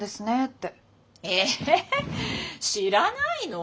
え知らないの？